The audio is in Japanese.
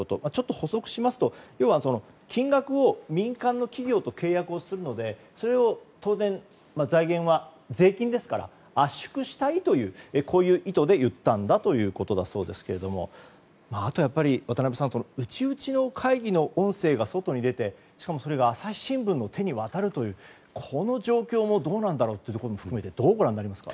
捕捉しますと要は金額を民間の企業と契約するのでそれを当然財源は税金ですから圧縮したいという意図で言ったんだということだそうですがあとはやっぱり渡辺さん、内内の会議の音声が外に出て、それが朝日新聞の手に渡るというこの状況もどうなんだろうということも含め、どうですか。